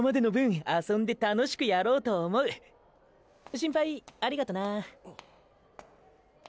心配ありがとな。